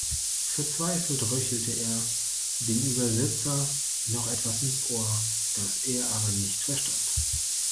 Verzweifelt röchelte er dem Übersetzer noch etwas ins Ohr, das er aber nicht verstand.